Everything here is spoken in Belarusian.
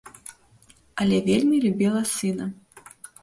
Але вельмі любіла сына.